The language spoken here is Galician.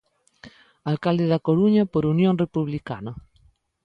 Alcalde da Coruña por Unión Republicana.